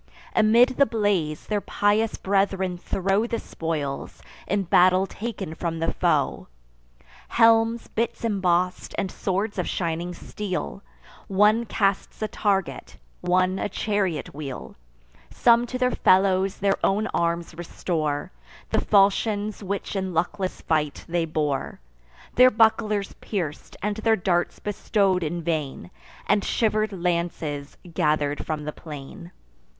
Amid the blaze, their pious brethren throw The spoils, in battle taken from the foe: Helms, bits emboss'd, and swords of shining steel; One casts a target, one a chariot wheel; Some to their fellows their own arms restore: The falchions which in luckless fight they bore, Their bucklers pierc'd, their darts bestow'd in vain, And shiver'd lances gather'd from the plain.